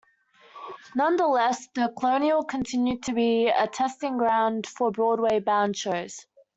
Nonetheless, the Colonial continued to be a testing ground for Broadway-bound shows.